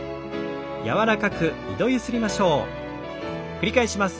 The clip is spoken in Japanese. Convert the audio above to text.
繰り返します。